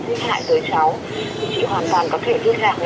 và truyền thay về những tin